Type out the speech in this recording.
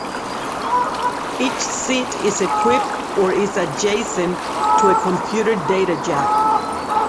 Each seat is equipped or is adjacent to a computer data jack.